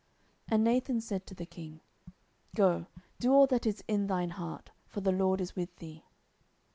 10:007:003 And Nathan said to the king, Go, do all that is in thine heart; for the LORD is with thee.